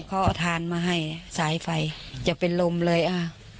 เขาทานมาให้สายไฟจะเป็นลมเลยอ่ะ